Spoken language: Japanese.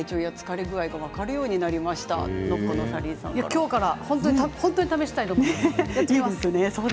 今日から本当に試したいと思います。